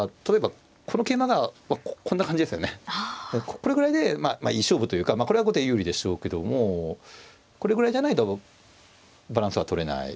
これぐらいでいい勝負というかこれは後手有利でしょうけどもこれぐらいじゃないとバランスはとれない。